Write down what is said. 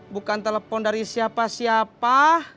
bukan telepon dari siapa siapa